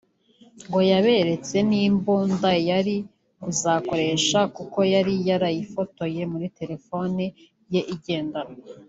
ngo yaberetse n’imbunda yari kuzakoresha kuko yari yarayifotoye muri telefoni ye igendanwa